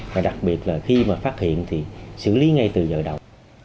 và đặc biệt là khi mà phát hiện thì xử lý ngay từ giờ đầu